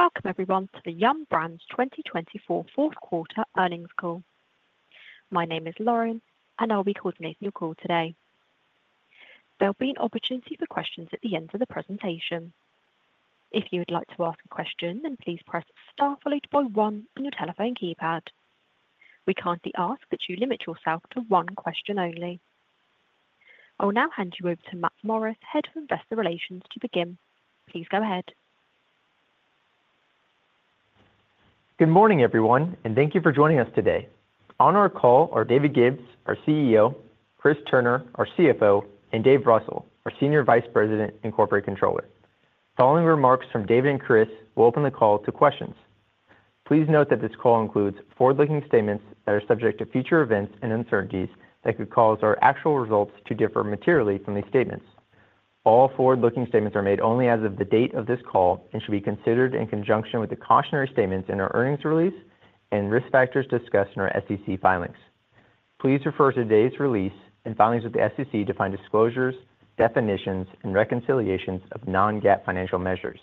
Welcome, everyone, to the Yum! Brands 2024 Fourth Quarter Earnings Call. My name is Lauren, and I'll be coordinating your call today. There'll be an opportunity for questions at the end of the presentation. If you would like to ask a question, then please press star followed by one on your telephone keypad. We kindly ask that you limit yourself to one question only. I will now hand you over to Matt Morris, Head of Investor Relations, to begin. Please go ahead. Good morning, everyone, and thank you for joining us today. On our call are David Gibbs, our CEO; Chris Turner, our CFO; and Dave Russell, our Senior Vice President and Corporate Controller. Following remarks from David and Chris, we'll open the call to questions. Please note that this call includes forward-looking statements that are subject to future events and uncertainties that could cause our actual results to differ materially from these statements. All forward-looking statements are made only as of the date of this call and should be considered in conjunction with the cautionary statements in our earnings release and risk factors discussed in our SEC filings. Please refer to today's release and filings with the SEC to find disclosures, definitions, and reconciliations of non-GAAP financial measures.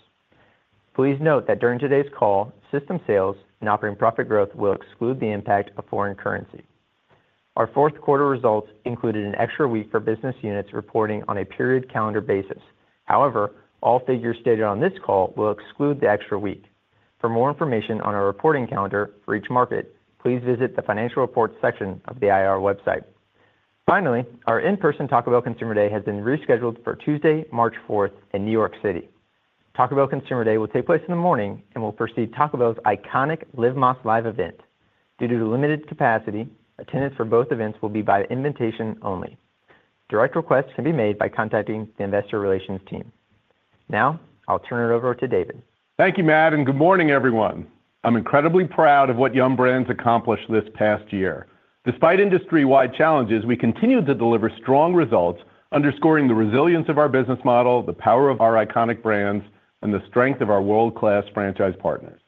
Please note that during today's call, system sales and operating profit growth will exclude the impact of foreign currency. Our fourth quarter results included an extra week for business units reporting on a period calendar basis. However, all figures stated on this call will exclude the extra week. For more information on our reporting calendar for each market, please visit the financial reports section of the IR website. Finally, our in-person Taco Bell Consumer Day has been rescheduled for Tuesday, March 4th, in New York City. Taco Bell Consumer Day will take place in the morning and will precede Taco Bell's iconic Live Más LIVE event. Due to limited capacity, attendance for both events will be by invitation only. Direct requests can be made by contacting the investor relations team. Now, I'll turn it over to David. Thank you, Matt, and good morning, everyone. I'm incredibly proud of what Yum! Brands accomplished this past year. Despite industry-wide challenges, we continue to deliver strong results, underscoring the resilience of our business model, the power of our iconic brands, and the strength of our world-class franchise partners.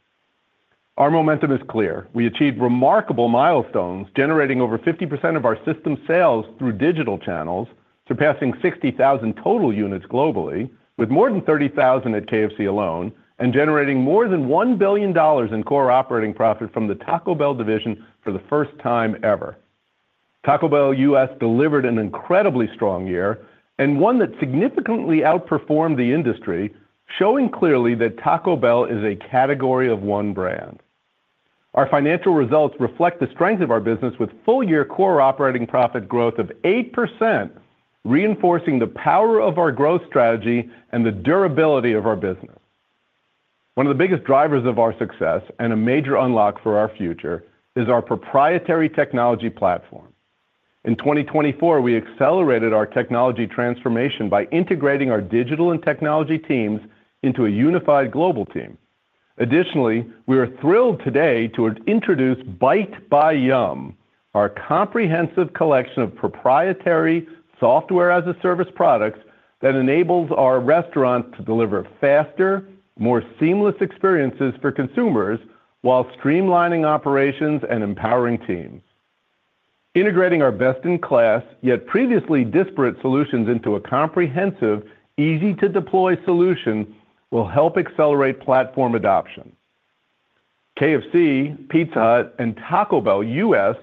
Our momentum is clear. We achieved remarkable milestones, generating over 50% of our system sales through digital channels, surpassing 60,000 total units globally, with more than 30,000 at KFC alone, and generating more than $1 billion in core operating profit from the Taco Bell division for the first time ever. Taco Bell U.S. delivered an incredibly strong year and one that significantly outperformed the industry, showing clearly that Taco Bell is a category of one brand. Our financial results reflect the strength of our business, with full-year core operating profit growth of 8%, reinforcing the power of our growth strategy and the durability of our business. One of the biggest drivers of our success and a major unlock for our future is our proprietary technology platform. In 2024, we accelerated our technology transformation by integrating our digital and technology teams into a unified global team. Additionally, we are thrilled today to introduce Byte by Yum!, our comprehensive collection of proprietary software-as-a-service products that enables our restaurants to deliver faster, more seamless experiences for consumers while streamlining operations and empowering teams. Integrating our best-in-class, yet previously disparate solutions into a comprehensive, easy-to-deploy solution will help accelerate platform adoption. KFC, Pizza Hut, and Taco Bell U.S.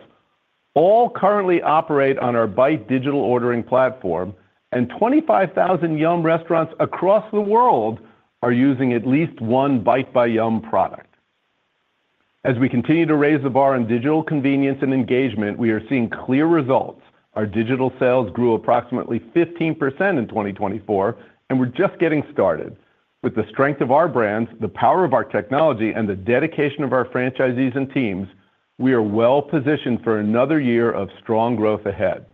all currently operate on our Byte digital ordering platform, and 25,000 Yum! Restaurants across the world are using at least one Byte by Yum! product. As we continue to raise the bar on digital convenience and engagement, we are seeing clear results. Our digital sales grew approximately 15% in 2024, and we're just getting started. With the strength of our brands, the power of our technology, and the dedication of our franchisees and teams, we are well-positioned for another year of strong growth ahead.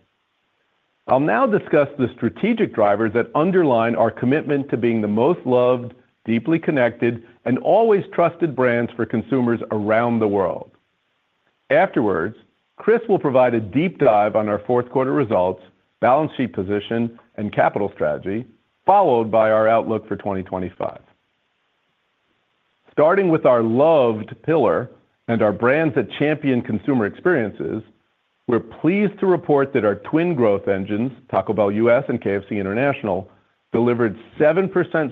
I'll now discuss the strategic drivers that underlie our commitment to being the most loved, deeply connected, and always trusted brands for consumers around the world. Afterwards, Chris will provide a deep dive on our fourth quarter results, balance sheet position, and capital strategy, followed by our outlook for 2025. Starting with our loved pillar and our brands that champion consumer experiences, we're pleased to report that our twin growth engines, Taco Bell U.S. and KFC International delivered 7%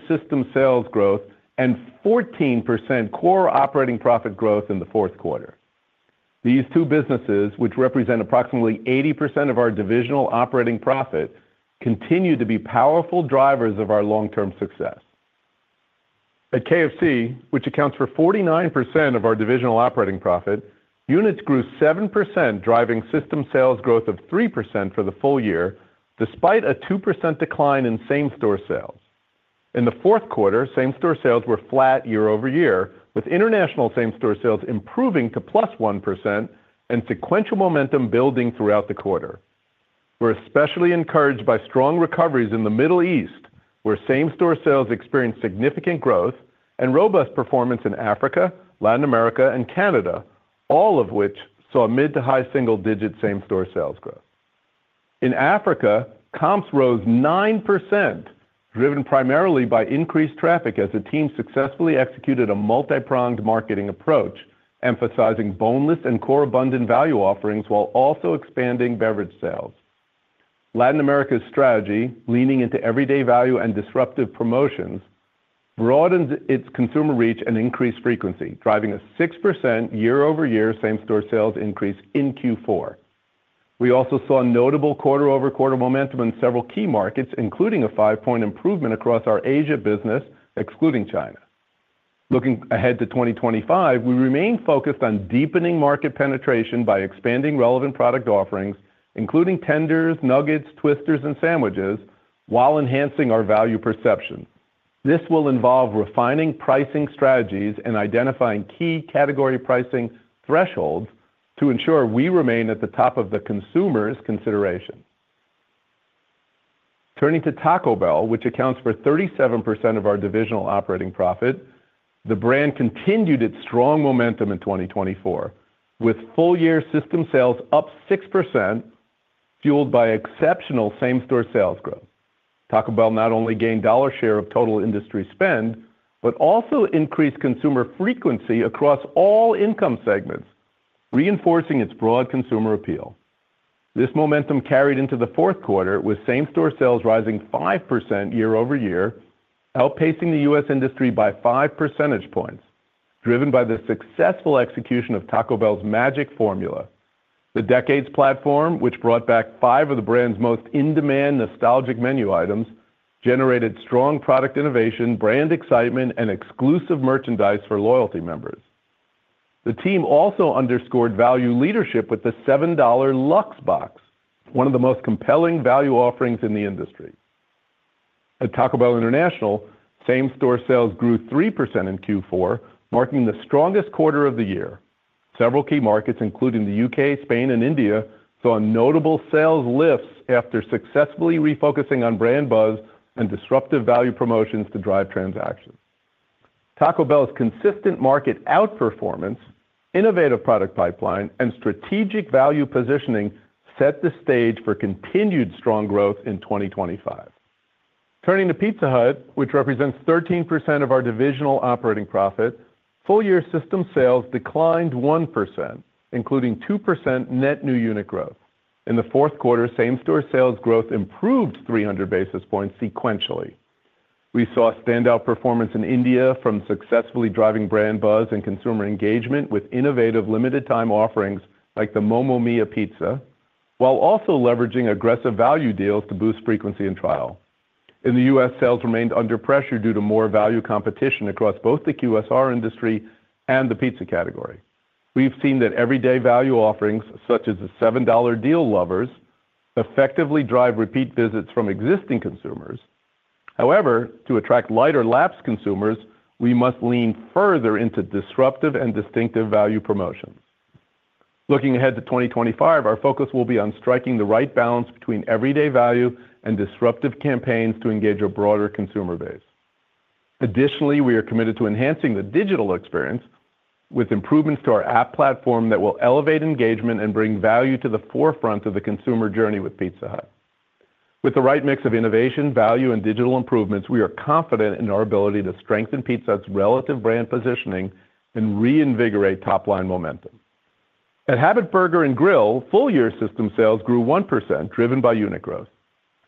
system sales growth and 14% Core Operating Profit growth in the fourth quarter. These two businesses, which represent approximately 80% of our divisional operating profit, continue to be powerful drivers of our long-term success. At KFC, which accounts for 49% of our divisional operating profit, units grew 7%, driving system sales growth of 3% for the full year, despite a 2% decline in same-store sales. In the fourth quarter, same-store sales were flat year-over-year, with international same-store sales improving to plus 1% and sequential momentum building throughout the quarter. We're especially encouraged by strong recoveries in the Middle East, where same-store sales experienced significant growth, and robust performance in Africa, Latin America, and Canada, all of which saw mid- to high-single-digit same-store sales growth. In Africa, comps rose 9%, driven primarily by increased traffic as the team successfully executed a multi-pronged marketing approach, emphasizing boneless and core abundant value offerings while also expanding beverage sales. Latin America's strategy, leaning into everyday value and disruptive promotions, broadened its consumer reach and increased frequency, driving a 6% year-over-year same-store sales increase in Q4. We also saw notable quarter-over-quarter momentum in several key markets, including a five-point improvement across our Asia business, excluding China. Looking ahead to 2025, we remain focused on deepening market penetration by expanding relevant product offerings, including tenders, nuggets, twisters, and sandwiches, while enhancing our value perception. This will involve refining pricing strategies and identifying key category pricing thresholds to ensure we remain at the top of the consumer's consideration. Turning to Taco Bell, which accounts for 37% of our divisional operating profit, the brand continued its strong momentum in 2024, with full-year system sales up 6%, fueled by exceptional same-store sales growth. Taco Bell not only gained dollar share of total industry spend but also increased consumer frequency across all income segments, reinforcing its broad consumer appeal. This momentum carried into the fourth quarter, with same-store sales rising 5% year-over-year, outpacing the U.S. industry by five percentage points, driven by the successful execution of Taco Bell's magic formula. The Decades' platform, which brought back five of the brand's most in-demand, nostalgic menu items, generated strong product innovation, brand excitement, and exclusive merchandise for loyalty members. The team also underscored value leadership with the $7 Luxe Box, one of the most compelling value offerings in the industry. At Taco Bell International, same-store sales grew 3% in Q4, marking the strongest quarter of the year. Several key markets, including the U.K., Spain, and India, saw notable sales lifts after successfully refocusing on brand buzz and disruptive value promotions to drive transactions. Taco Bell's consistent market outperformance, innovative product pipeline, and strategic value positioning set the stage for continued strong growth in 2025. Turning to Pizza Hut, which represents 13% of our divisional operating profit, full-year system sales declined 1%, including 2% net new unit growth. In the fourth quarter, same-store sales growth improved 300 basis points sequentially. We saw standout performance in India from successfully driving brand buzz and consumer engagement with innovative limited-time offerings like the Momo Mia! Pizza, while also leveraging aggressive value deals to boost frequency and trial. In the U.S., sales remained under pressure due to more value competition across both the QSR industry and the pizza category. We've seen that everyday value offerings, such as the $7 Deal Lovers, effectively drive repeat visits from existing consumers. However, to attract lighter-lapsed consumers, we must lean further into disruptive and distinctive value promotions. Looking ahead to 2025, our focus will be on striking the right balance between everyday value and disruptive campaigns to engage a broader consumer base. Additionally, we are committed to enhancing the digital experience with improvements to our app platform that will elevate engagement and bring value to the forefront of the consumer journey with Pizza Hut. With the right mix of innovation, value, and digital improvements, we are confident in our ability to strengthen Pizza Hut's relative brand positioning and reinvigorate top-line momentum. At Habit Burger & Grill, full-year system sales grew 1%, driven by unit growth.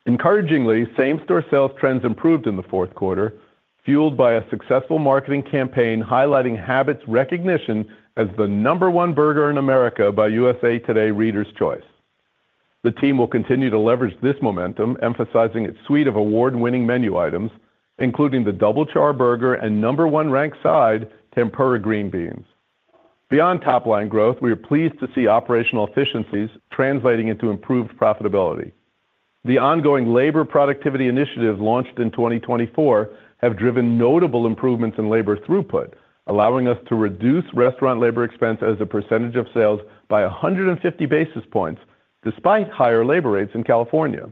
Encouragingly, same-store sales trends improved in the fourth quarter, fueled by a successful marketing campaign highlighting Habit's recognition as the number one burger in America by USA TODAY Readers' Choice. The team will continue to leverage this momentum, emphasizing its suite of award-winning menu items, including the Double Charburger and number one ranked side Tempura Green Beans. Beyond top-line growth, we are pleased to see operational efficiencies translating into improved profitability. The ongoing labor productivity initiatives launched in 2024 have driven notable improvements in labor throughput, allowing us to reduce restaurant labor expense as a percentage of sales by 150 basis points, despite higher labor rates in California.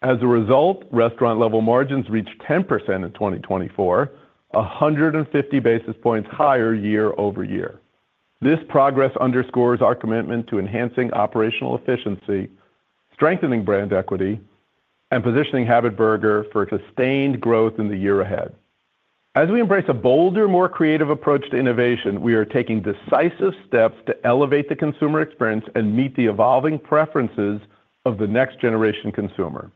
As a result, restaurant-level margins reached 10% in 2024, 150 basis points higher year-over-year. This progress underscores our commitment to enhancing operational efficiency, strengthening brand equity, and positioning Habit Burger for sustained growth in the year ahead. As we embrace a bolder, more creative approach to innovation, we are taking decisive steps to elevate the consumer experience and meet the evolving preferences of the next-generation consumer.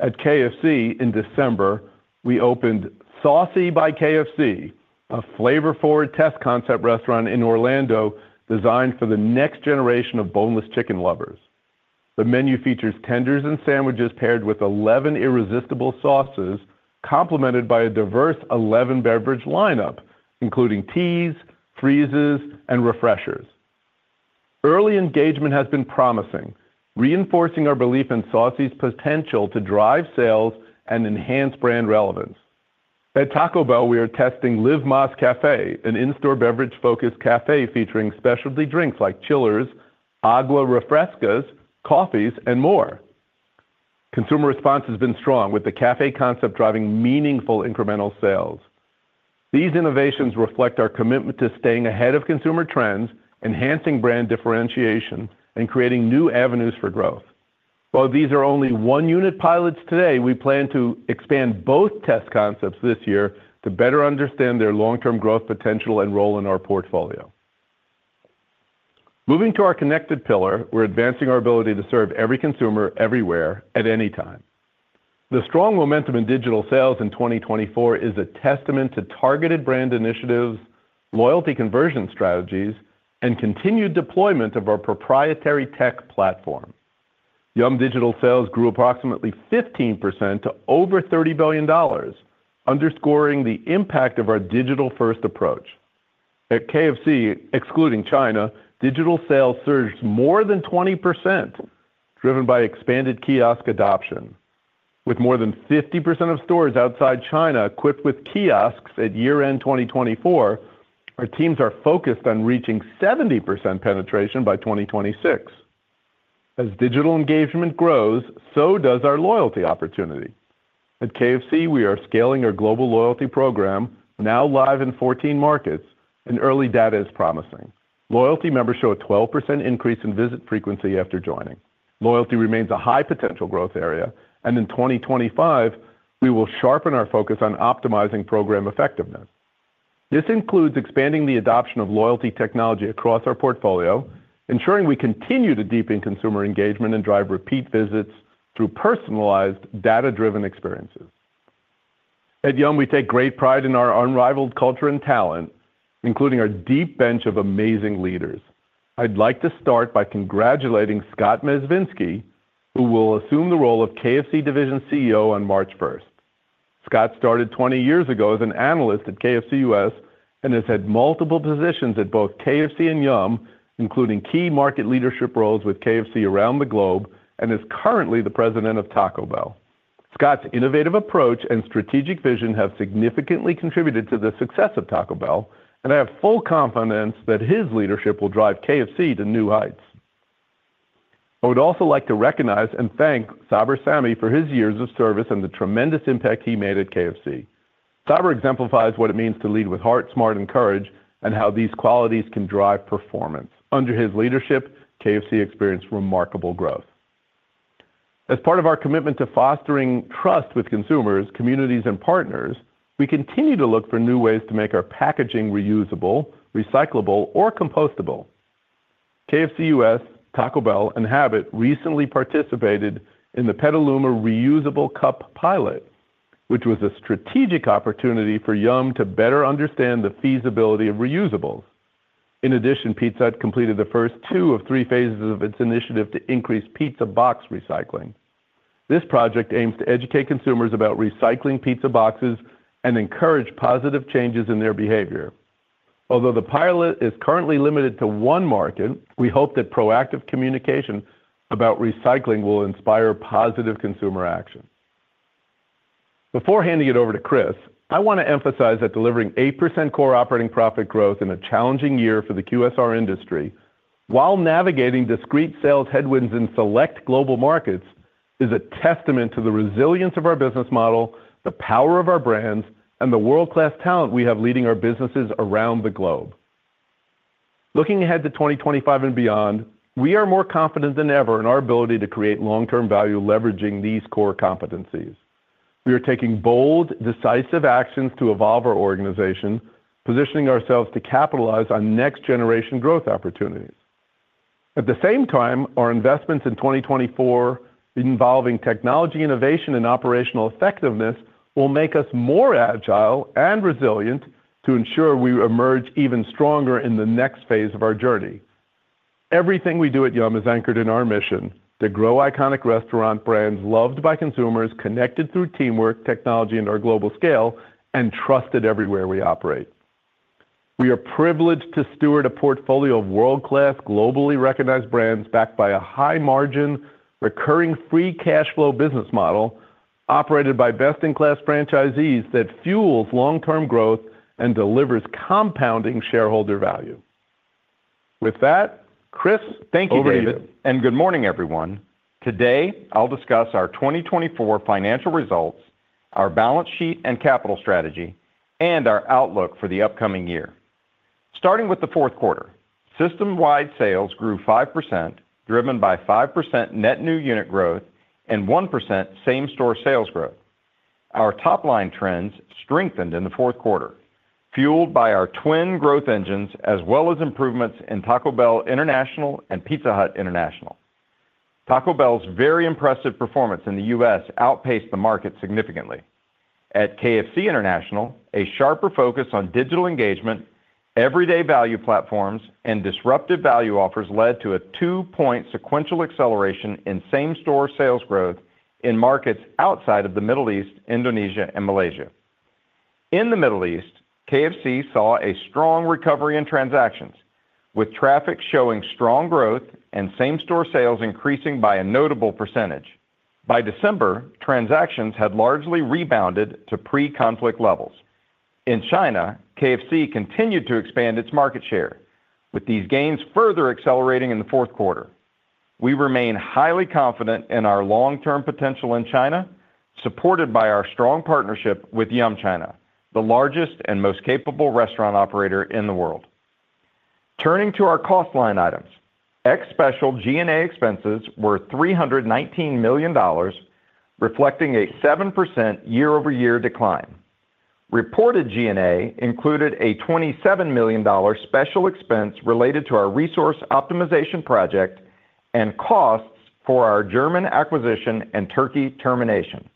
At KFC, in December, we opened Saucy by KFC, a flavorful test concept restaurant in Orlando designed for the next generation of boneless chicken lovers. The menu features tenders and sandwiches paired with 11 irresistible sauces, complemented by a diverse 11-beverage lineup, including teas, freezes, and refreshers. Early engagement has been promising, reinforcing our belief in Saucy's potential to drive sales and enhance brand relevance. At Taco Bell, we are testing Live Más Café, an in-store beverage-focused café featuring specialty drinks like chillers, agua frescas, coffees, and more. Consumer response has been strong, with the café concept driving meaningful incremental sales. These innovations reflect our commitment to staying ahead of consumer trends, enhancing brand differentiation, and creating new avenues for growth. While these are only one-unit pilots today, we plan to expand both test concepts this year to better understand their long-term growth potential and role in our portfolio. Moving to our connected pillar, we're advancing our ability to serve every consumer everywhere, at any time. The strong momentum in digital sales in 2024 is a testament to targeted brand initiatives, loyalty conversion strategies, and continued deployment of our proprietary tech platform. Yum! digital sales grew approximately 15% to over $30 billion, underscoring the impact of our digital-first approach. At KFC, excluding China, digital sales surged more than 20%, driven by expanded kiosk adoption. With more than 50% of stores outside China equipped with kiosks at year-end 2024, our teams are focused on reaching 70% penetration by 2026. As digital engagement grows, so does our loyalty opportunity. At KFC, we are scaling our global loyalty program, now live in 14 markets, and early data is promising. Loyalty members show a 12% increase in visit frequency after joining. Loyalty remains a high potential growth area, and in 2025, we will sharpen our focus on optimizing program effectiveness. This includes expanding the adoption of loyalty technology across our portfolio, ensuring we continue to deepen consumer engagement and drive repeat visits through personalized, data-driven experiences. At Yum!, we take great pride in our unrivaled culture and talent, including our deep bench of amazing leaders. I'd like to start by congratulating Scott Mezvinsky, who will assume the role of KFC Division CEO on March 1st. Scott started 20 years ago as an analyst at KFC U.S. and has had multiple positions at both KFC and Yum!, including key market leadership roles with KFC around the globe, and is currently the President of Taco Bell. Scott's innovative approach and strategic vision have significantly contributed to the success of Taco Bell, and I have full confidence that his leadership will drive KFC to new heights. I would also like to recognize and thank Sabir Sami for his years of service and the tremendous impact he made at KFC. Sabir exemplifies what it means to lead with heart, smart, and courage, and how these qualities can drive performance. Under his leadership, KFC experienced remarkable growth. As part of our commitment to fostering trust with consumers, communities, and partners, we continue to look for new ways to make our packaging reusable, recyclable, or compostable. KFC U.S., Taco Bell, and Habit recently participated in the Petaluma Reusable Cup pilot, which was a strategic opportunity for Yum! to better understand the feasibility of reusables. In addition, Pizza Hut completed the first two of three phases of its initiative to increase pizza box recycling. This project aims to educate consumers about recycling pizza boxes and encourage positive changes in their behavior. Although the pilot is currently limited to one market, we hope that proactive communication about recycling will inspire positive consumer action. Before handing it over to Chris, I want to emphasize that delivering 8% core operating profit growth in a challenging year for the QSR industry, while navigating discrete sales headwinds in select global markets, is a testament to the resilience of our business model, the power of our brands, and the world-class talent we have leading our businesses around the globe. Looking ahead to 2025 and beyond, we are more confident than ever in our ability to create long-term value leveraging these core competencies. We are taking bold, decisive actions to evolve our organization, positioning ourselves to capitalize on next-generation growth opportunities. At the same time, our investments in 2024, involving technology innovation and operational effectiveness, will make us more agile and resilient to ensure we emerge even stronger in the next phase of our journey. Everything we do at Yum! is anchored in our mission: to grow iconic restaurant brands loved by consumers, connected through teamwork, technology, and our global scale, and trusted everywhere we operate. We are privileged to steward a portfolio of world-class, globally recognized brands backed by a high-margin, recurring free cash flow business model operated by best-in-class franchisees that fuels long-term growth and delivers compounding shareholder value. With that, Chris, thank you. Over to you. Good morning, everyone. Today, I'll discuss our 2024 financial results, our balance sheet and capital strategy, and our outlook for the upcoming year. Starting with the fourth quarter, system-wide sales grew 5%, driven by 5% net new unit growth and 1% same-store sales growth. Our top-line trends strengthened in the fourth quarter, fueled by our twin growth engines as well as improvements in Taco Bell International and Pizza Hut International. Taco Bell's very impressive performance in the U.S. outpaced the market significantly. At KFC International, a sharper focus on digital engagement, everyday value platforms, and disruptive value offers led to a two-point sequential acceleration in same-store sales growth in markets outside of the Middle East, Indonesia, and Malaysia. In the Middle East, KFC saw a strong recovery in transactions, with traffic showing strong growth and same-store sales increasing by a notable percentage. By December, transactions had largely rebounded to pre-conflict levels. In China, KFC continued to expand its market share, with these gains further accelerating in the fourth quarter. We remain highly confident in our long-term potential in China, supported by our strong partnership with Yum! China, the largest and most capable restaurant operator in the world. Turning to our cost line items, ex-special G&A expenses were $319 million, reflecting a 7% year-over-year decline. Reported G&A included a $27 million special expense related to our resource optimization project and costs for our German acquisition and Turkey termination.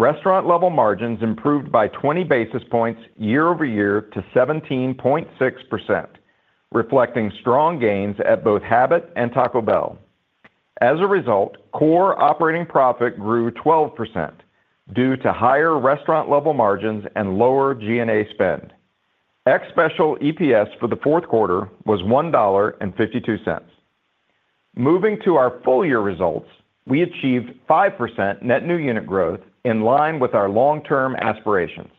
Restaurant-level margins improved by 20 basis points year-over-year to 17.6%, reflecting strong gains at both Habit and Taco Bell. As a result, Core Operating Profit grew 12% due to higher restaurant-level margins and lower G&A spend. Ex-special EPS for the fourth quarter was $1.52. Moving to our full-year results, we achieved 5% net new unit growth in line with our long-term aspirations.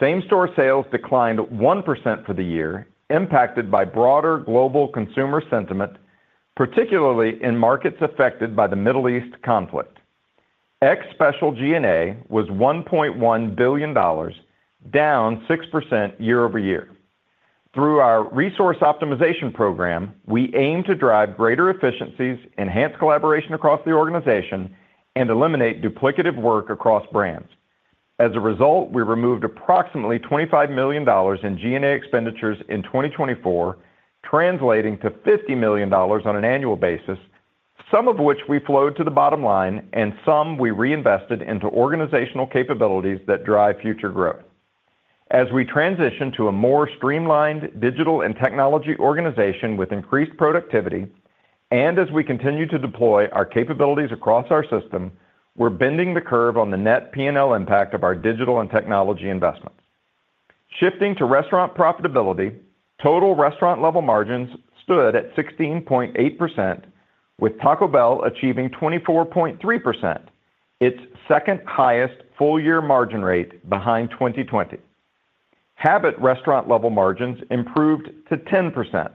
Same-store sales declined 1% for the year, impacted by broader global consumer sentiment, particularly in markets affected by the Middle East conflict. Ex-special G&A was $1.1 billion, down 6% year-over-year. Through our Resource Optimization Program, we aim to drive greater efficiencies, enhance collaboration across the organization, and eliminate duplicative work across brands. As a result, we removed approximately $25 million in G&A expenditures in 2024, translating to $50 million on an annual basis, some of which we flowed to the bottom line and some we reinvested into organizational capabilities that drive future growth. As we transition to a more streamlined digital and technology organization with increased productivity, and as we continue to deploy our capabilities across our system, we're bending the curve on the net P&L impact of our digital and technology investments. Shifting to restaurant profitability, total restaurant-level margins stood at 16.8%, with Taco Bell achieving 24.3%, its second-highest full-year margin rate behind 2020. Habit restaurant-level margins improved to 10%,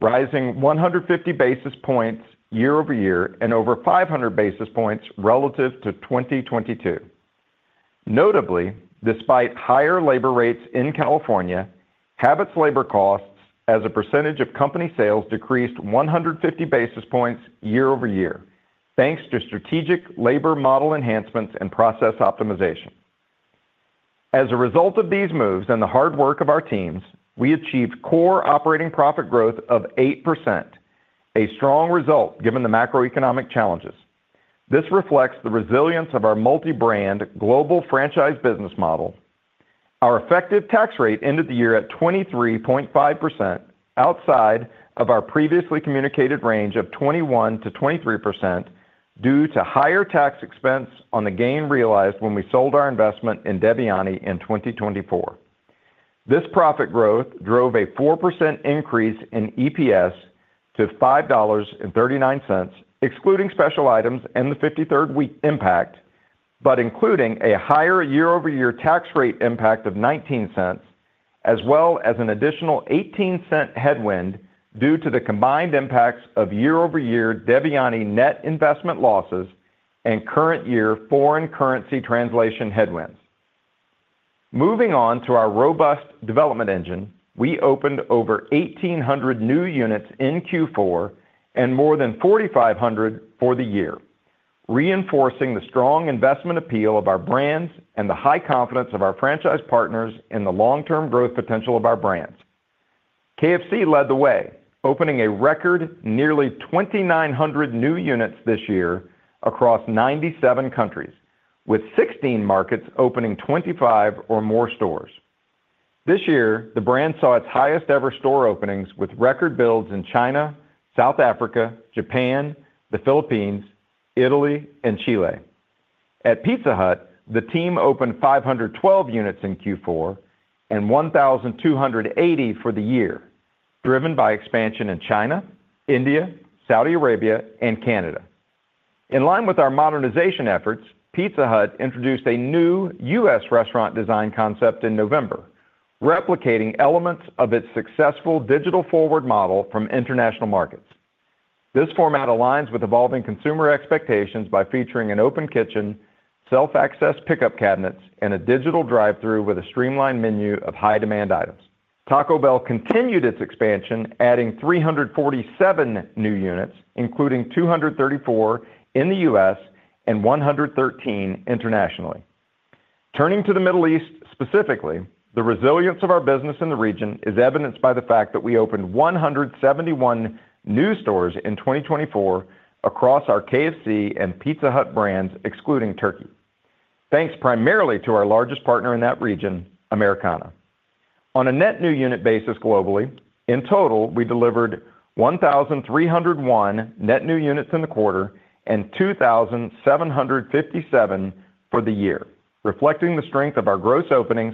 rising 150 basis points year-over-year and over 500 basis points relative to 2022. Notably, despite higher labor rates in California, Habit's labor costs as a percentage of company sales decreased 150 basis points year-over-year, thanks to strategic labor model enhancements and process optimization. As a result of these moves and the hard work of our teams, we achieved core operating profit growth of 8%, a strong result given the macroeconomic challenges. This reflects the resilience of our multi-brand global franchise business model. Our effective tax rate ended the year at 23.5%, outside of our previously communicated range of 21%-23% due to higher tax expense on the gain realized when we sold our investment in Devyani in 2024. This profit growth drove a 4% increase in EPS to $5.39, excluding special items and the 53rd week impact, but including a higher year-over-year tax rate impact of $0.19, as well as an additional $0.18 headwind due to the combined impacts of year-over-year Devyani net investment losses and current year foreign currency translation headwinds. Moving on to our robust development engine, we opened over 1,800 new units in Q4 and more than 4,500 for the year, reinforcing the strong investment appeal of our brands and the high confidence of our franchise partners in the long-term growth potential of our brands. KFC led the way, opening a record nearly 2,900 new units this year across 97 countries, with 16 markets opening 25 or more stores. This year, the brand saw its highest-ever store openings with record builds in China, South Africa, Japan, the Philippines, Italy, and Chile. At Pizza Hut, the team opened 512 units in Q4 and 1,280 for the year, driven by expansion in China, India, Saudi Arabia, and Canada. In line with our modernization efforts, Pizza Hut introduced a new U.S. restaurant design concept in November, replicating elements of its successful digital-forward model from international markets. This format aligns with evolving consumer expectations by featuring an open kitchen, self-access pickup cabinets, and a digital drive-thru with a streamlined menu of high-demand items. Taco Bell continued its expansion, adding 347 new units, including 234 in the U.S. and 113 internationally. Turning to the Middle East specifically, the resilience of our business in the region is evidenced by the fact that we opened 171 new stores in 2024 across our KFC and Pizza Hut brands, excluding Turkey, thanks primarily to our largest partner in that region, Americana. On a net new unit basis globally, in total, we delivered 1,301 net new units in the quarter and 2,757 for the year, reflecting the strength of our gross openings,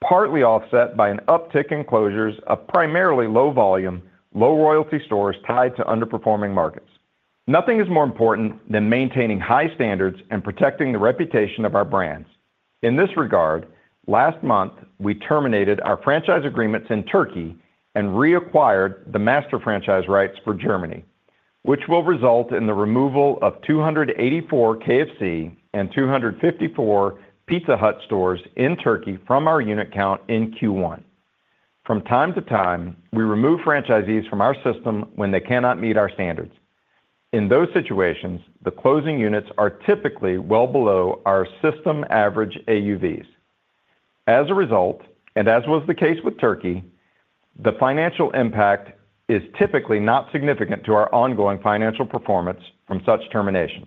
partly offset by an uptick in closures of primarily low-volume, low-royalty stores tied to underperforming markets. Nothing is more important than maintaining high standards and protecting the reputation of our brands. In this regard, last month, we terminated our franchise agreements in Turkey and reacquired the master franchise rights for Germany, which will result in the removal of 284 KFC and 254 Pizza Hut stores in Turkey from our unit count in Q1. From time to time, we remove franchisees from our system when they cannot meet our standards. In those situations, the closing units are typically well below our system average AUVs. As a result, and as was the case with Turkey, the financial impact is typically not significant to our ongoing financial performance from such terminations.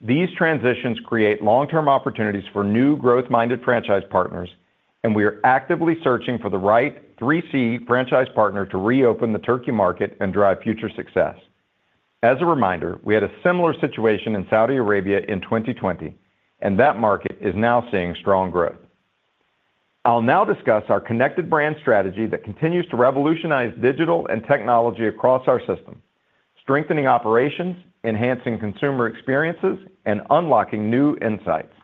These transitions create long-term opportunities for new growth-minded franchise partners, and we are actively searching for the right 3C franchise partner to reopen the Turkey market and drive future success. As a reminder, we had a similar situation in Saudi Arabia in 2020, and that market is now seeing strong growth. I'll now discuss our connected brand strategy that continues to revolutionize digital and technology across our system, strengthening operations, enhancing consumer experiences, and unlocking new insights.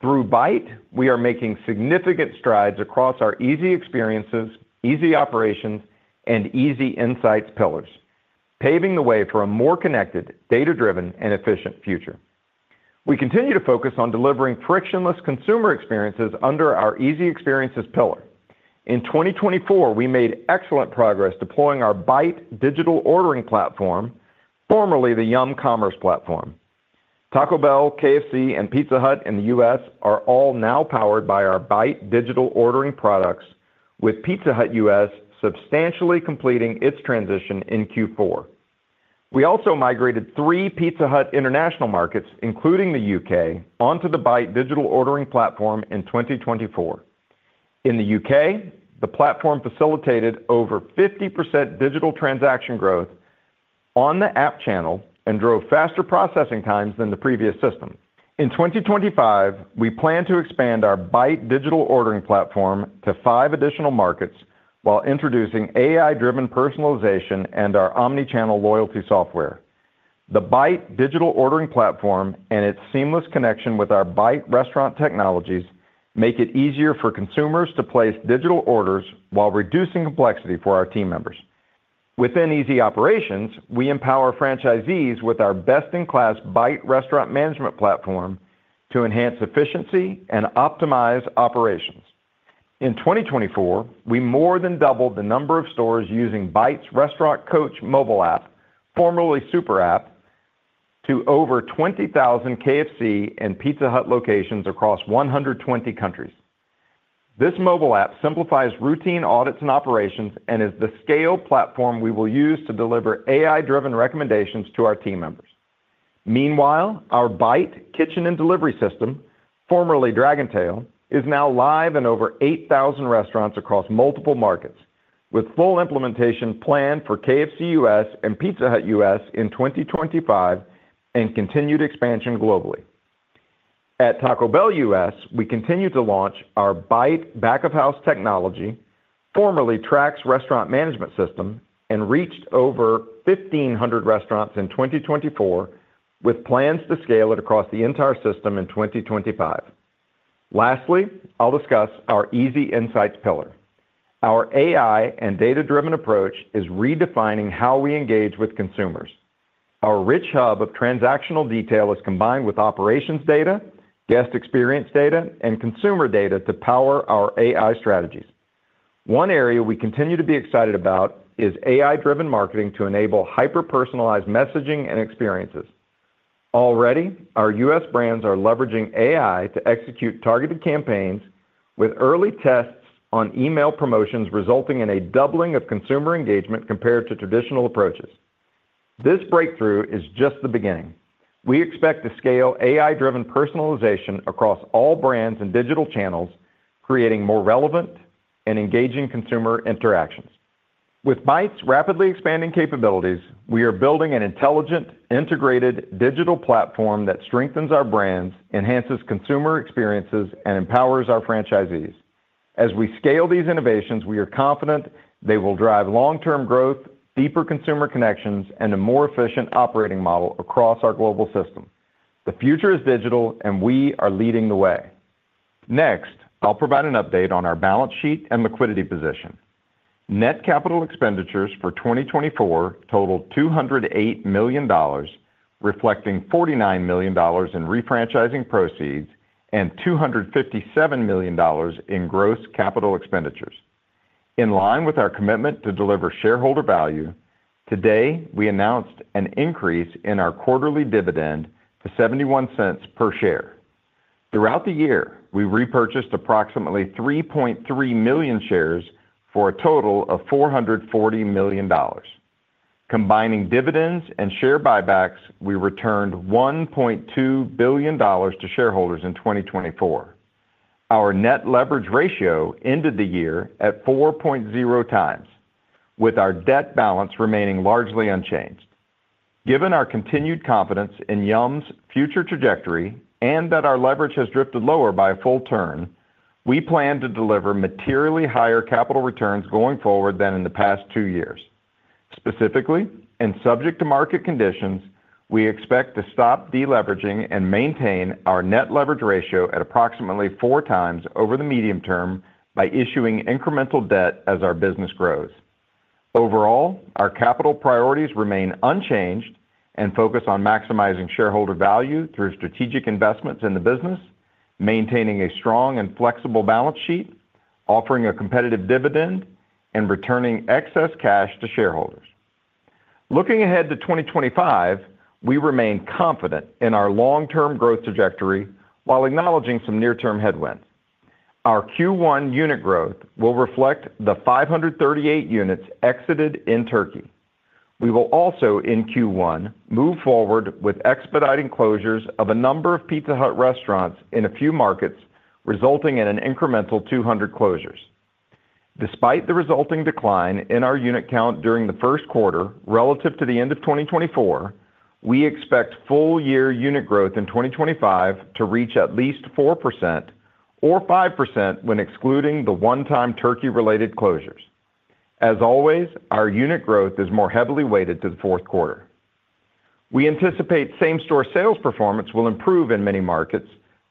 Through Byte, we are making significant strides across our easy experiences, easy operations, and easy insights pillars, paving the way for a more connected, data-driven, and efficient future. We continue to focus on delivering frictionless consumer experiences under our easy experiences pillar. In 2024, we made excellent progress deploying our Byte digital ordering platform, formerly the Yum! Commerce platform. Taco Bell, KFC, and Pizza Hut in the U.S. are all now powered by our Byte digital ordering products, with Pizza Hut U.S. substantially completing its transition in Q4. We also migrated three Pizza Hut international markets, including the U.K., onto the Byte digital ordering platform in 2024. In the U.K., the platform facilitated over 50% digital transaction growth on the app channel and drove faster processing times than the previous system. In 2025, we plan to expand our Byte digital ordering platform to five additional markets while introducing AI-driven personalization and our omnichannel loyalty software. The Byte digital ordering platform and its seamless connection with our Byte restaurant technologies make it easier for consumers to place digital orders while reducing complexity for our team members. Within easy operations, we empower franchisees with our best-in-class Byte restaurant management platform to enhance efficiency and optimize operations. In 2024, we more than doubled the number of stores using Byte's Restaurant Coach mobile app, formerly Super App, to over 20,000 KFC and Pizza Hut locations across 120 countries. This mobile app simplifies routine audits and operations and is the scale platform we will use to deliver AI-driven recommendations to our team members. Meanwhile, our Byte Kitchen and Delivery system, formerly Dragontail, is now live in over 8,000 restaurants across multiple markets, with full implementation planned for KFC U.S. and Pizza Hut U.S. in 2025 and continued expansion globally. At Taco Bell U.S., we continue to launch our Byte back-of-house technology, formerly Trax restaurant management system, and reached over 1,500 restaurants in 2024, with plans to scale it across the entire system in 2025. Lastly, I'll discuss our easy insights pillar. Our AI and data-driven approach is redefining how we engage with consumers. Our rich hub of transactional detail is combined with operations data, guest experience data, and consumer data to power our AI strategies. One area we continue to be excited about is AI-driven marketing to enable hyper-personalized messaging and experiences. Already, our U.S. Brands are leveraging AI to execute targeted campaigns, with early tests on email promotions resulting in a doubling of consumer engagement compared to traditional approaches. This breakthrough is just the beginning. We expect to scale AI-driven personalization across all brands and digital channels, creating more relevant and engaging consumer interactions. With Byte's rapidly expanding capabilities, we are building an intelligent, integrated digital platform that strengthens our brands, enhances consumer experiences, and empowers our franchisees. As we scale these innovations, we are confident they will drive long-term growth, deeper consumer connections, and a more efficient operating model across our global system. The future is digital, and we are leading the way. Next, I'll provide an update on our balance sheet and liquidity position. Net capital expenditures for 2024 totaled $208 million, reflecting $49 million in refranchising proceeds and $257 million in gross capital expenditures. In line with our commitment to deliver shareholder value, today we announced an increase in our quarterly dividend to $0.71 per share. Throughout the year, we repurchased approximately 3.3 million shares for a total of $440 million. Combining dividends and share buybacks, we returned $1.2 billion to shareholders in 2024. Our net leverage ratio ended the year at 4.0x, with our debt balance remaining largely unchanged. Given our continued confidence in Yum!'s future trajectory and that our leverage has drifted lower by a full turn, we plan to deliver materially higher capital returns going forward than in the past two years. Specifically, subject to market conditions, we expect to stop deleveraging and maintain our net leverage ratio at approximately 4x over the medium term by issuing incremental debt as our business grows. Overall, our capital priorities remain unchanged and focus on maximizing shareholder value through strategic investments in the business, maintaining a strong and flexible balance sheet, offering a competitive dividend, and returning excess cash to shareholders. Looking ahead to 2025, we remain confident in our long-term growth trajectory while acknowledging some near-term headwinds. Our Q1 unit growth will reflect the 538 units exited in Turkey. We will also, in Q1, move forward with expediting closures of a number of Pizza Hut restaurants in a few markets, resulting in an incremental 200 closures. Despite the resulting decline in our unit count during the first quarter relative to the end of 2024, we expect full-year unit growth in 2025 to reach at least 4% or 5% when excluding the one-time Turkey-related closures. As always, our unit growth is more heavily weighted to the fourth quarter. We anticipate same-store sales performance will improve in many markets,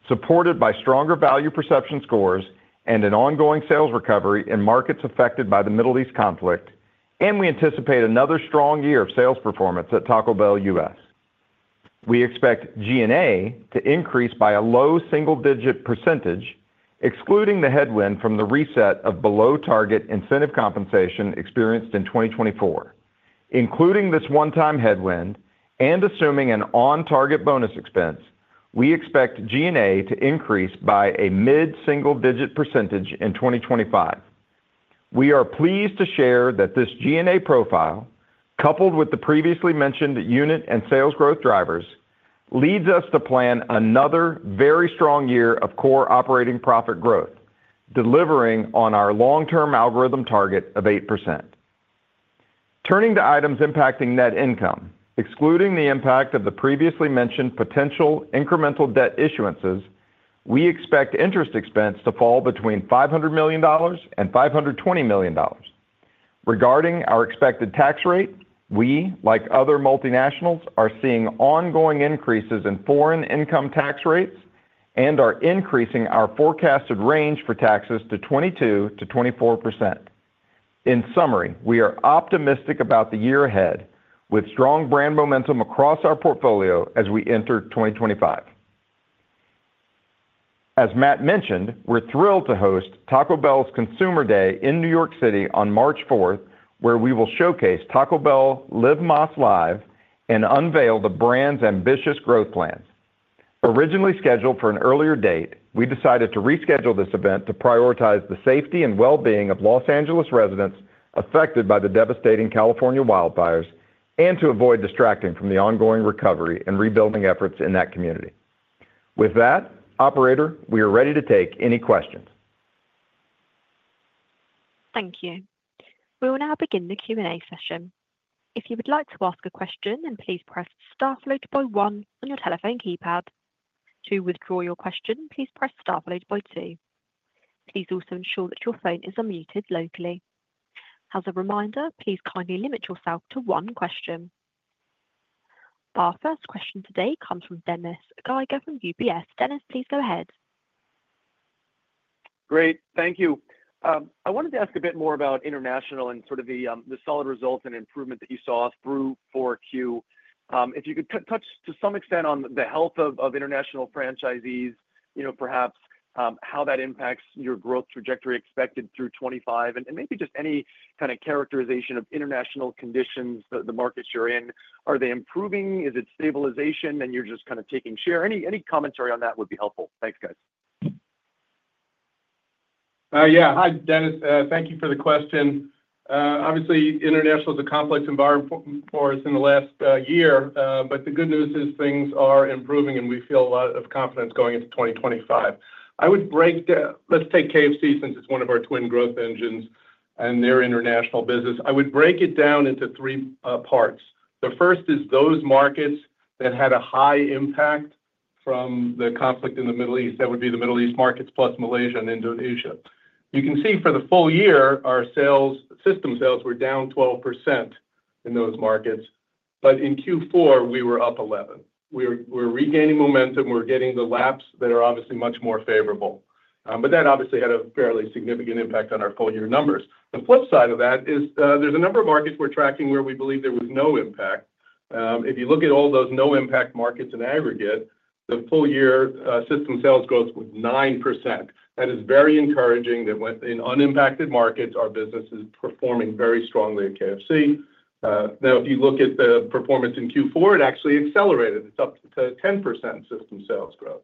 supported by stronger value perception scores and an ongoing sales recovery in markets affected by the Middle East conflict, and we anticipate another strong year of sales performance at Taco Bell U.S. We expect G&A to increase by a low single-digit percentage, excluding the headwind from the reset of below-target incentive compensation experienced in 2024. Including this one-time headwind and assuming an on-target bonus expense, we expect G&A to increase by a mid-single-digit percentage in 2025. We are pleased to share that this G&A profile, coupled with the previously mentioned unit and sales growth drivers, leads us to plan another very strong year of core operating profit growth, delivering on our long-term algorithm target of 8%. Turning to items impacting net income, excluding the impact of the previously mentioned potential incremental debt issuances, we expect interest expense to fall between $500 million and $520 million. Regarding our expected tax rate, we, like other multinationals, are seeing ongoing increases in foreign income tax rates and are increasing our forecasted range for taxes to 22%-24%. In summary, we are optimistic about the year ahead, with strong brand momentum across our portfolio as we enter 2025. As Matt mentioned, we're thrilled to host Taco Bell's Consumer Day in New York City on March 4th, where we will showcase Taco Bell Live Más LIVE and unveil the brand's ambitious growth plans. Originally scheduled for an earlier date, we decided to reschedule this event to prioritize the safety and well-being of Los Angeles residents affected by the devastating California wildfires and to avoid distracting from the ongoing recovery and rebuilding efforts in that community. With that, Operator, we are ready to take any questions. Thank you. We will now begin the Q&A session. If you would like to ask a question, then please press Star followed by one on your telephone keypad. To withdraw your question, please press Star followed by two. Please also ensure that your phone is unmuted locally. As a reminder, please kindly limit yourself to one question. Our first question today comes from Dennis Geiger from UBS. Dennis, please go ahead. Great. Thank you. I wanted to ask a bit more about international and sort of the solid results and improvement that you saw through Q4. If you could touch on some extent on the health of international franchisees, you know, perhaps how that impacts your growth trajectory expected through 2025 and maybe just any kind of characterization of international conditions, the markets you're in. Are they improving? Is it stabilization? And you're just kind of taking share? Any commentary on that would be helpful. Thanks, guys. Yeah. Hi, Dennis. Thank you for the question. Obviously, international is a complex environment for us in the last year, but the good news is things are improving and we feel a lot of confidence going into 2025. I would break down, let's take KFC since it's one of our twin growth engines and their international business. I would break it down into three parts. The first is those markets that had a high impact from the conflict in the Middle East. That would be the Middle East markets plus Malaysia and Indonesia. You can see for the full year, our system sales were down 12% in those markets, but in Q4, we were up 11%. We're regaining momentum. We're getting the laps that are obviously much more favorable, but that obviously had a fairly significant impact on our full-year numbers. The flip side of that is there's a number of markets we're tracking where we believe there was no impact. If you look at all those no-impact markets in aggregate, the full-year system sales growth was 9%. That is very encouraging that in unimpacted markets, our business is performing very strongly at KFC. Now, if you look at the performance in Q4, it actually accelerated. It's up to 10% system sales growth.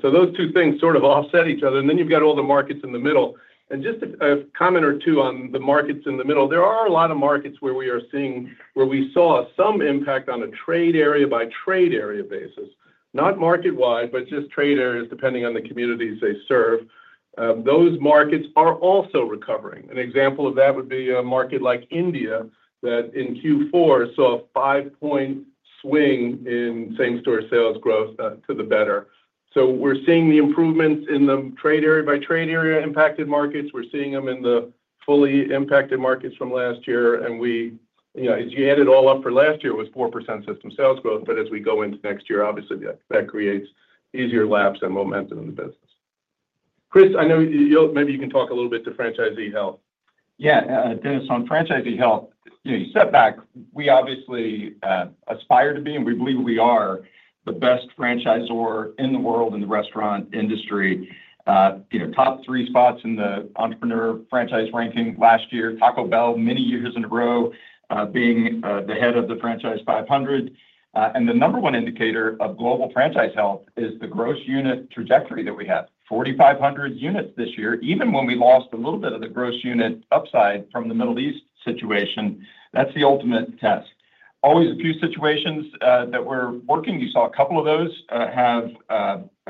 So those two things sort of offset each other. And then you've got all the markets in the middle. And just a comment or two on the markets in the middle. There are a lot of markets where we are seeing, where we saw some impact on a trade area by trade area basis, not market-wide, but just trade areas depending on the communities they serve. Those markets are also recovering. An example of that would be a market like India that in Q4 saw a 5-point swing in same-store sales growth to the better. So we're seeing the improvements in the trade area by trade area impacted markets. We're seeing them in the fully impacted markets from last year. And we, you know, as you added all up for last year, it was 4% system sales growth, but as we go into next year, obviously that creates easier laps and momentum in the business. Chris, I know you'll, maybe you can talk a little bit to franchisee health. Yeah. Dennis, on franchisee health, you know, you step back. We obviously aspire to be, and we believe we are the best franchisor in the world in the restaurant industry. You know, top three spots in the Entrepreneur Franchise ranking last year, Taco Bell many years in a row being the head of the Franchise 500. And the number one indicator of global franchise health is the gross unit trajectory that we have, 4,500 units this year, even when we lost a little bit of the gross unit upside from the Middle East situation. That's the ultimate test. Always a few situations that we're working. You saw a couple of those have,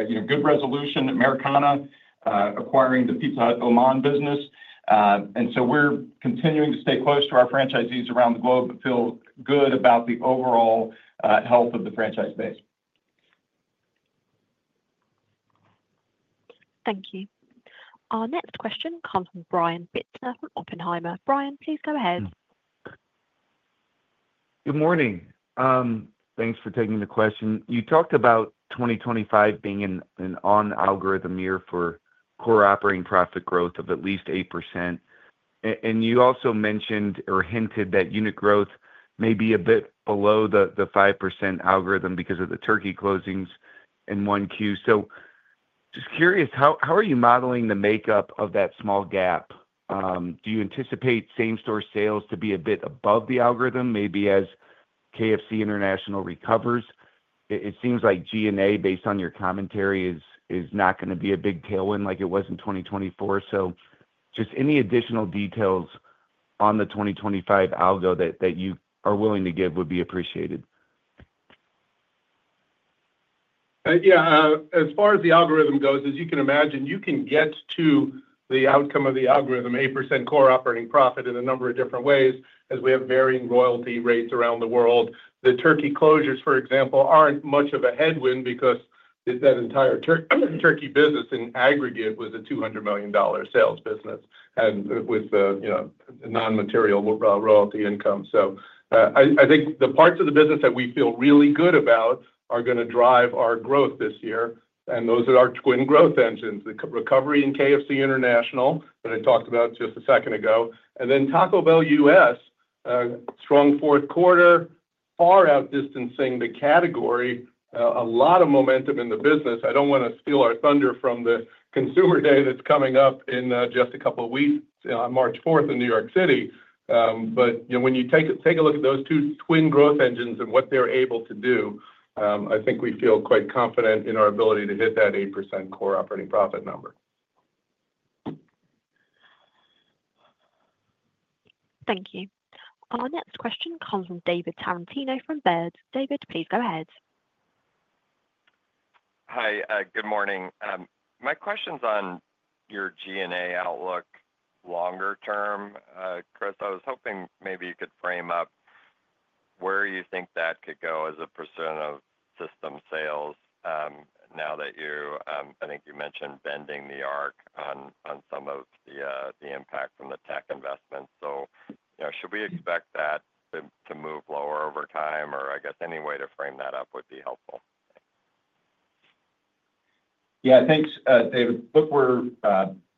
you know, good resolution, Americana acquiring the Pizza Hut Oman business. And so we're continuing to stay close to our franchisees around the globe, but feel good about the overall health of the franchise base. Thank you. Our next question comes from Brian Bittner from Oppenheimer. Brian, please go ahead. Good morning. Thanks for taking the question. You talked about 2025 being an on-algorithm year for Core Operating Profit growth of at least 8%. And you also mentioned or hinted that unit growth may be a bit below the 5% algorithm because of the Turkey closings in Q1. So just curious, how are you modeling the makeup of that small gap? Do you anticipate same-store sales to be a bit above the algorithm, maybe as KFC International recovers? It seems like G&A, based on your commentary, is not going to be a big tailwind like it was in 2024. So just any additional details on the 2025 algo that you are willing to give would be appreciated. Yeah. As far as the algorithm goes, as you can imagine, you can get to the outcome of the algorithm, 8% Core Operating Profit, in a number of different ways as we have varying royalty rates around the world. The Turkey closures, for example, aren't much of a headwind because that entire Turkey business in aggregate was a $200 million sales business and with the, you know, non-material royalty income. So I think the parts of the business that we feel really good about are going to drive our growth this year. And those are our twin growth engines, the recovery in KFC International that I talked about just a second ago. And then Taco Bell U.S., strong fourth quarter, far outdistancing the category, a lot of momentum in the business. I don't want to steal our thunder from the consumer day that's coming up in just a couple of weeks, March 4th in New York City. But, you know, when you take a look at those two twin growth engines and what they're able to do, I think we feel quite confident in our ability to hit that 8% Core Operating Profit number. Thank you. Our next question comes from David Tarantino from Baird. David, please go ahead. Hi. Good morning. My question's on your G&A outlook longer-term. Chris, I was hoping maybe you could frame up where you think that could go as a percent of system sales now that you, I think you mentioned bending the arc on some of the impact from the tech investment. So, you know, should we expect that to move lower over time or I guess any way to frame that up would be helpful? Yeah. Thanks, David. Look, we're, you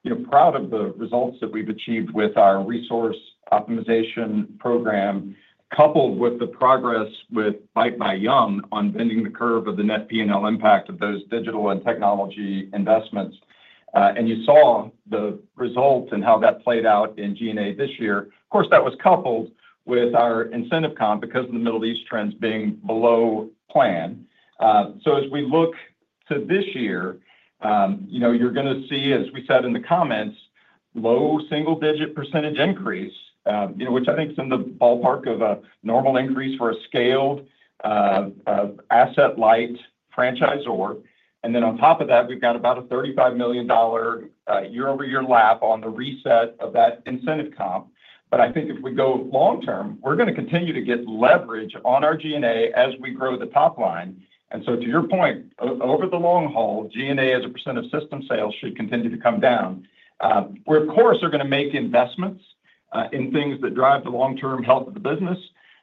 know, proud of the results that we've achieved with our Resource Optimization Program coupled with the progress with Byte by Yum! on bending the curve of the net P&L impact of those digital and technology investments. And you saw the result and how that played out in G&A this year. Of course, that was coupled with our incentive comp because of the Middle East trends being below plan. So as we look to this year, you know, you're going to see, as we said in the comments, low single-digit % increase, you know, which I think is in the ballpark of a normal increase for a scaled asset light franchisor. And then on top of that, we've got about a $35 million year-over-year lap on the reset of that incentive comp. But I think if we go long-term, we're going to continue to get leverage on our G&A as we grow the top line. And so to your point, over the long haul, G&A as a percentage of system sales should continue to come down. We're, of course, going to make investments in things that drive the long-term health of the business.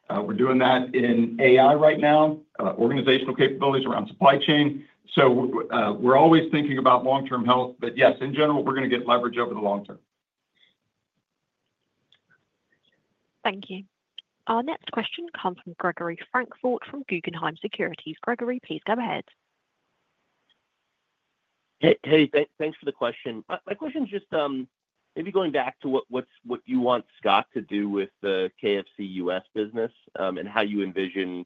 We're doing that in AI right now, organizational capabilities around supply chain. So we're always thinking about long-term health, but yes, in general, we're going to get leverage over the long term. Thank you. Our next question comes from Gregory Francfort from Guggenheim Securities. Gregory, please go ahead. Hey, thanks for the question. My question's just maybe going back to what you want Scott to do with the KFC U.S. business and how you envision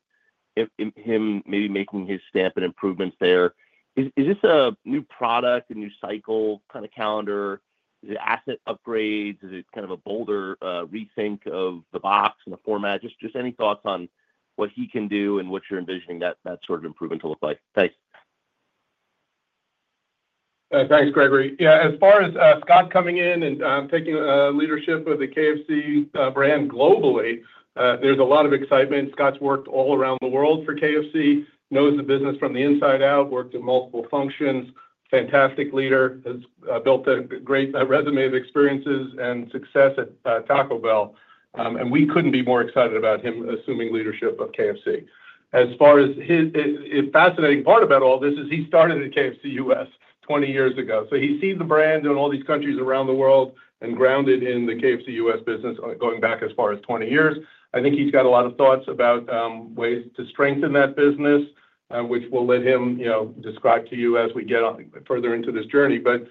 him maybe making his stamp and improvements there. Is this a new product, a new cycle kind of calendar? Is it asset upgrades? Is it kind of a bolder rethink of the box and the format? Just any thoughts on what he can do and what you're envisioning that sort of improvement to look like? Thanks. Thanks, Gregory. Yeah. As far as Scott coming in and taking leadership of the KFC brand globally, there's a lot of excitement. Scott's worked all around the world for KFC, knows the business from the inside out, worked in multiple functions, fantastic leader, has built a great resume of experiences and success at Taco Bell. And we couldn't be more excited about him assuming leadership of KFC. As far as his fascinating part about all this is, he started at KFC U.S. 20 years ago. So he's seen the brand in all these countries around the world and grounded in the KFC U.S. business going back as far as 20 years. I think he's got a lot of thoughts about ways to strengthen that business, which will let him, you know, describe to you as we get further into this journey. But,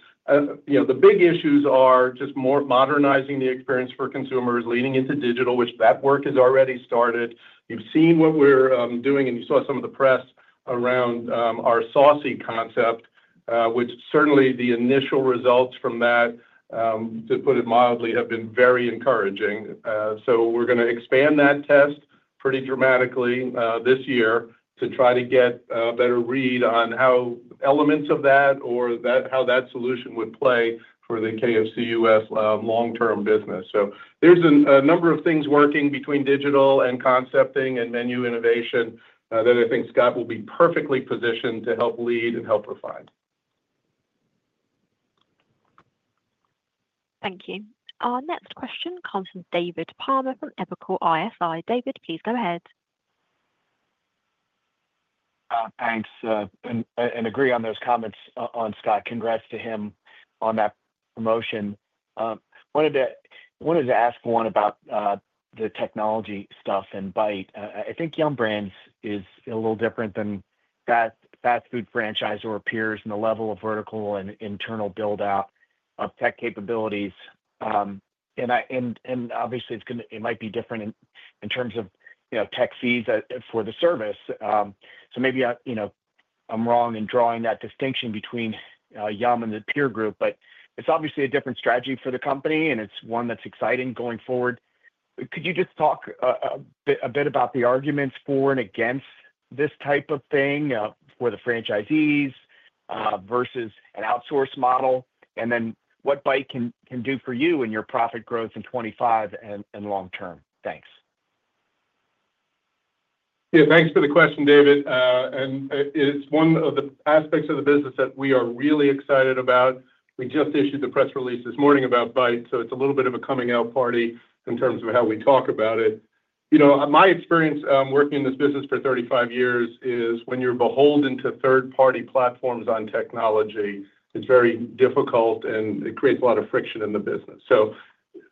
you know, the big issues are just more modernizing the experience for consumers, leaning into digital, which that work has already started. You've seen what we're doing and you saw some of the press around our saucy concept, which certainly the initial results from that, to put it mildly, have been very encouraging. So we're going to expand that test pretty dramatically this year to try to get a better read on how elements of that or how that solution would play for the KFC U.S. long-term business. So there's a number of things working between digital and concepting and menu innovation that I think Scott will be perfectly positioned to help lead and help refine. Thank you. Our next question comes from David Palmer from Evercore ISI. David, please go ahead. Thanks. And agree on those comments on Scott. Congrats to him on that promotion. Wanted to ask one about the technology stuff and Byte. I think Yum! Brands is a little different than fast food franchisor peers in the level of vertical and internal build-out of tech capabilities. And obviously, it might be different in terms of, you know, tech fees for the service. So maybe, you know, I'm wrong in drawing that distinction between Yum! and the peer group, but it's obviously a different strategy for the company and it's one that's exciting going forward. Could you just talk a bit about the arguments for and against this type of thing for the franchisees versus an outsource model? And then what Byte can do for you and your profit growth in 2025 and long-term? Thanks. Yeah. Thanks for the question, David. And it's one of the aspects of the business that we are really excited about. We just issued the press release this morning about Byte. So it's a little bit of a coming out party in terms of how we talk about it. You know, my experience working in this business for 35 years is when you're beholden to third-party platforms on technology, it's very difficult and it creates a lot of friction in the business. So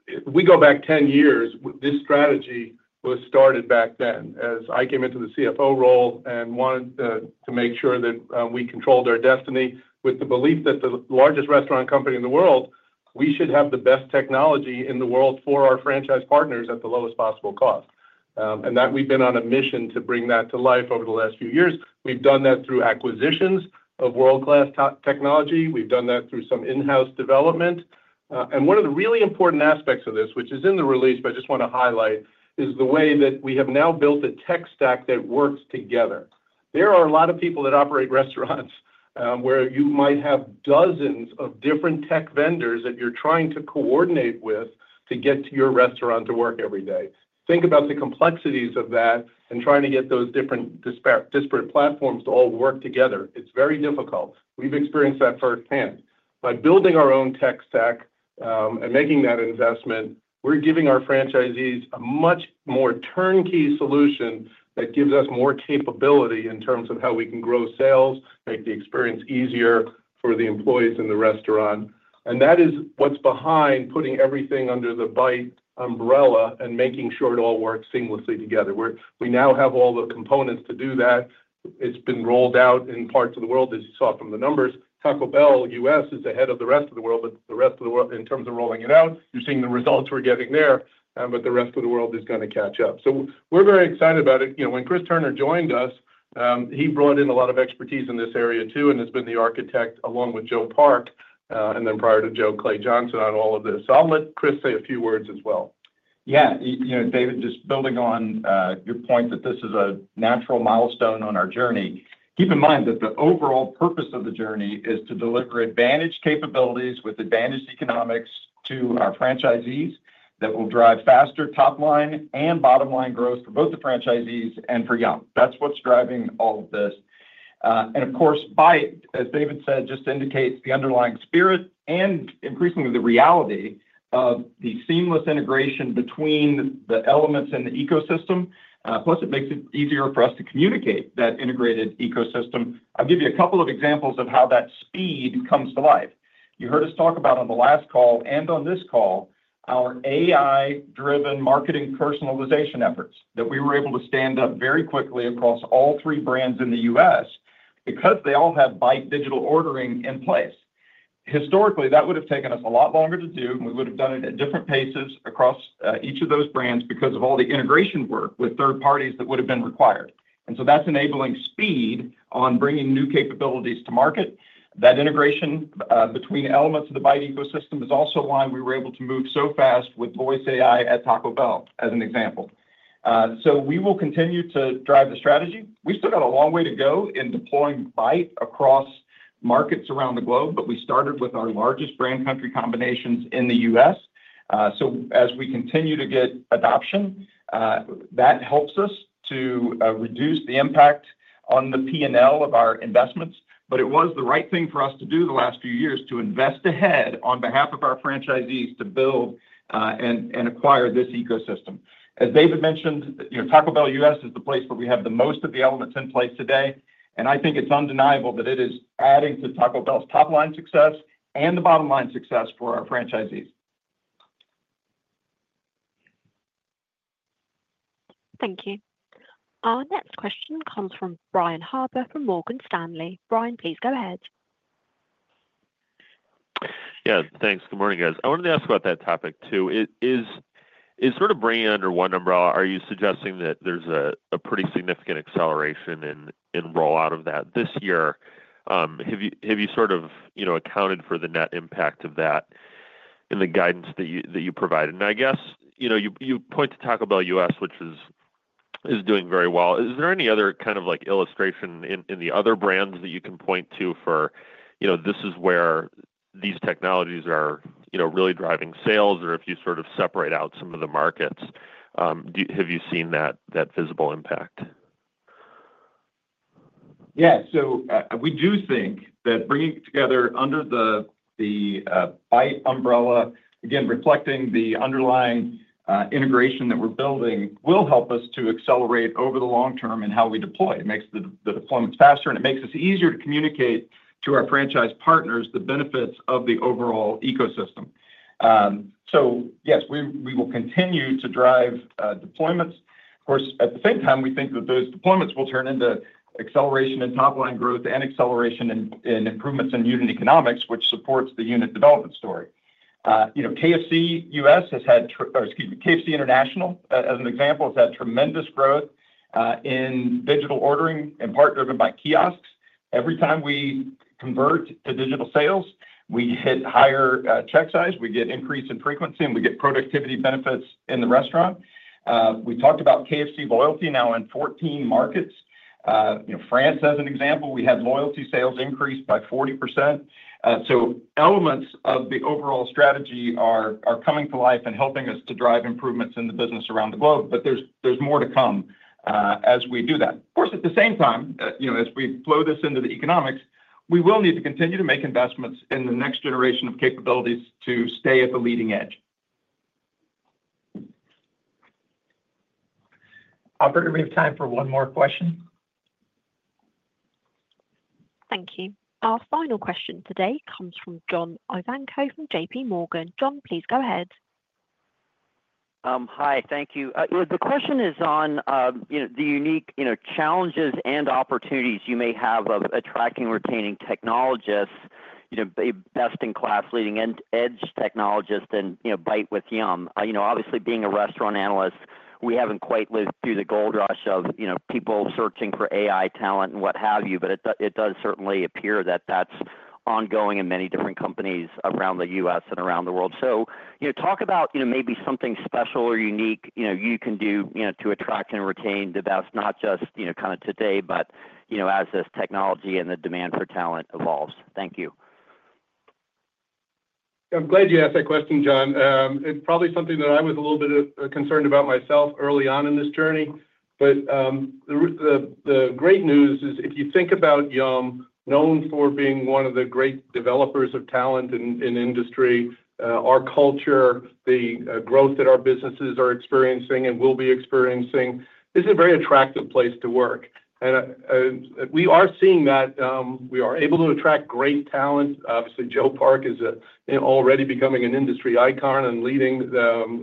if we go back 10 years, this strategy was started back then as I came into the CFO role and wanted to make sure that we controlled our destiny with the belief that the largest restaurant company in the world, we should have the best technology in the world for our franchise partners at the lowest possible cost. And that we've been on a mission to bring that to life over the last few years. We've done that through acquisitions of world-class technology. We've done that through some in-house development. One of the really important aspects of this, which is in the release, but I just want to highlight, is the way that we have now built a tech stack that works together. There are a lot of people that operate restaurants where you might have dozens of different tech vendors that you're trying to coordinate with to get your restaurant to work every day. Think about the complexities of that and trying to get those different disparate platforms to all work together. It's very difficult. We've experienced that firsthand. By building our own tech stack and making that investment, we're giving our franchisees a much more turnkey solution that gives us more capability in terms of how we can grow sales, make the experience easier for the employees in the restaurant. And that is what's behind putting everything under the Byte umbrella and making sure it all works seamlessly together. We now have all the components to do that. It's been rolled out in parts of the world, as you saw from the numbers. Taco Bell U.S. is ahead of the rest of the world, but the rest of the world, in terms of rolling it out, you're seeing the results we're getting there, but the rest of the world is going to catch up. So we're very excited about it. You know, when Chris Turner joined us, he brought in a lot of expertise in this area too and has been the architect along with Joe Park. And then prior to Joe, Clay Johnson on all of this. So I'll let Chris say a few words as well. Yeah. You know, David, just building on your point that this is a natural milestone on our journey, keep in mind that the overall purpose of the journey is to deliver advantaged capabilities with advantaged economics to our franchisees that will drive faster top-line and bottom-line growth for both the franchisees and for Yum!. That's what's driving all of this. And of course, Byte, as David said, just indicates the underlying spirit and increasingly the reality of the seamless integration between the elements and the ecosystem. Plus, it makes it easier for us to communicate that integrated ecosystem. I'll give you a couple of examples of how that speed comes to life. You heard us talk about on the last call and on this call, our AI-driven marketing personalization efforts that we were able to stand up very quickly across all three brands in the U.S. because they all have Byte digital ordering in place. Historically, that would have taken us a lot longer to do, and we would have done it at different paces across each of those brands because of all the integration work with third parties that would have been required. And so that's enabling speed on bringing new capabilities to market. That integration between elements of the Byte ecosystem is also why we were able to move so fast with Voice AI at Taco Bell, as an example. So we will continue to drive the strategy. We've still got a long way to go in deploying Byte across markets around the globe, but we started with our largest brand country combinations in the U.S. So as we continue to get adoption, that helps us to reduce the impact on the P&L of our investments. But it was the right thing for us to do the last few years to invest ahead on behalf of our franchisees to build and acquire this ecosystem. As David mentioned, you know, Taco Bell U.S. is the place where we have the most of the elements in place today. And I think it's undeniable that it is adding to Taco Bell's top-line success and the bottom-line success for our franchisees. Thank you. Our next question comes from Brian Harbour from Morgan Stanley. Brian, please go ahead. Yeah. Thanks. Good morning, guys. I wanted to ask about that topic too. Is sort of bringing it under one umbrella, are you suggesting that there's a pretty significant acceleration in roll-out of that this year? Have you sort of, you know, accounted for the net impact of that in the guidance that you provided? I guess, you know, you point to Taco Bell U.S., which is doing very well. Is there any other kind of like illustration in the other brands that you can point to for, you know, this is where these technologies are, you know, really driving sales or if you sort of separate out some of the markets? Have you seen that visible impact? Yeah. We do think that bringing together under the Byte umbrella, again, reflecting the underlying integration that we're building will help us to accelerate over the long-term in how we deploy. It makes the deployment faster, and it makes us easier to communicate to our franchise partners the benefits of the overall ecosystem. Yes, we will continue to drive deployments. Of course, at the same time, we think that those deployments will turn into acceleration in top-line growth and acceleration in improvements in unit economics, which supports the unit development story. You know, KFC U.S. has had, or excuse me, KFC International as an example, has had tremendous growth in digital ordering in part driven by kiosks. Every time we convert to digital sales, we hit higher check size, we get increase in frequency, and we get productivity benefits in the restaurant. We talked about KFC loyalty now in 14 markets. You know, France as an example, we had loyalty sales increased by 40%. So elements of the overall strategy are coming to life and helping us to drive improvements in the business around the globe. But there's more to come as we do that. Of course, at the same time, you know, as we flow this into the economics, we will need to continue to make investments in the next generation of capabilities to stay at the leading edge. Operator, we have time for one more question. Thank you. Our final question today comes from John Ivankoe from JPMorgan. John, please go ahead. Hi. Thank you. The question is on, you know, the unique, you know, challenges and opportunities you may have of attracting and retaining technologists, you know, best-in-class leading edge technologists and, you know, Byte with Yum!. You know, obviously being a restaurant analyst, we haven't quite lived through the gold rush of, you know, people searching for AI talent and what have you. But it does certainly appear that that's ongoing in many different companies around the U.S. and around the world. So, you know, talk about, you know, maybe something special or unique, you know, you can do, you know, to attract and retain the best, not just, you know, kind of today, but, you know, as this technology and the demand for talent evolves. Thank you. I'm glad you asked that question, John. It's probably something that I was a little bit concerned about myself early on in this journey. But the great news is if you think about Yum!, known for being one of the great developers of talent in industry, our culture, the growth that our businesses are experiencing and will be experiencing, this is a very attractive place to work, and we are seeing that we are able to attract great talent. Obviously, Joe Park is already becoming an industry icon and leading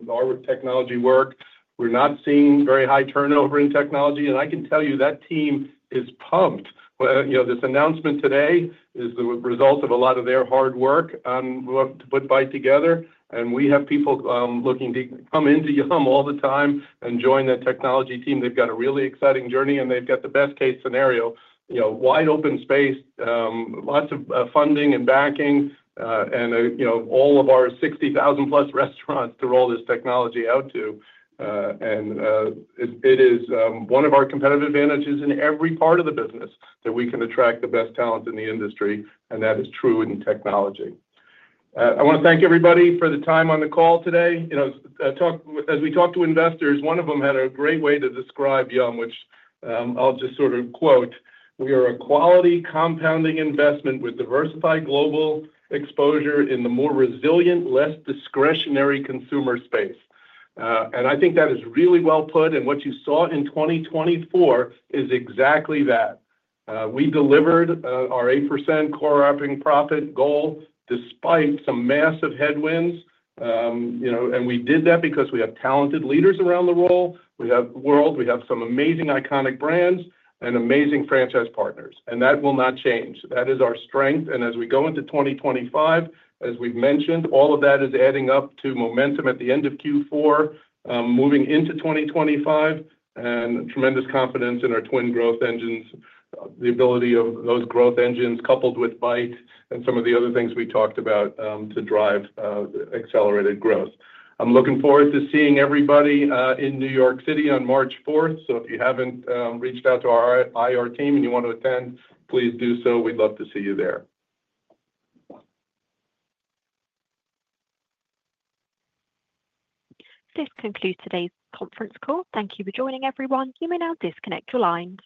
our technology work. We're not seeing very high turnover in technology. I can tell you that team is pumped. You know, this announcement today is the result of a lot of their hard work on what to put Byte together. And we have people looking to come into Yum! all the time and join that technology team. They've got a really exciting journey and they've got the best-case scenario, you know, wide open space, lots of funding and backing, and, you know, all of our 60,000-plus restaurants to roll this technology out to. And it is one of our competitive advantages in every part of the business that we can attract the best talent in the industry. And that is true in technology. I want to thank everybody for the time on the call today. You know, as we talked to investors, one of them had a great way to describe Yum!, which I'll just sort of quote, "We are a quality compounding investment with diversified global exposure in the more resilient, less discretionary consumer space," and I think that is really well put, and what you saw in 2024 is exactly that. We delivered our 8% core operating profit goal despite some massive headwinds. You know, and we did that because we have talented leaders around the world. We have some amazing iconic brands and amazing franchise partners, and that will not change. That is our strength. And as we go into 2025, as we've mentioned, all of that is adding up to momentum at the end of Q4, moving into 2025, and tremendous confidence in our twin growth engines, the ability of those growth engines coupled with Byte and some of the other things we talked about to drive accelerated growth. I'm looking forward to seeing everybody in New York City on March 4th. So if you haven't reached out to our IR team and you want to attend, please do so. We'd love to see you there. This concludes today's conference call. Thank you for joining, everyone. You may now disconnect your lines.